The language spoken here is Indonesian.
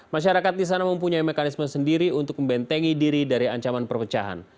masyarakat di sana mempunyai mekanisme sendiri untuk membentengi diri dari ancaman perpecahan